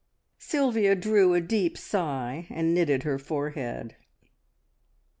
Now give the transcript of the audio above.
Sylvia drew a deep sigh, and knitted her forehead.